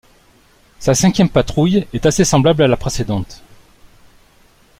Sa cinquième patrouille est assez semblable à la précédente.